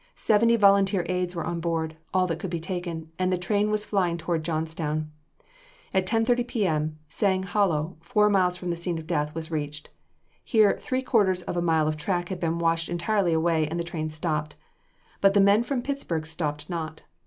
Seventy volunteer aids were on board all that could be taken and the train was flying towards Johnstown. At 10:30 P.M. Sang Hollow, four miles from the scene of death, was reached. Here three quarters of a mile of track had been washed entirely away, and the train stopped. But the men from Pittsburg stopped not.